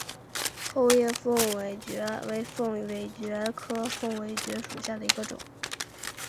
厚叶凤尾蕨为凤尾蕨科凤尾蕨属下的一个种。